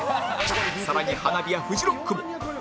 更に花火やフジロックも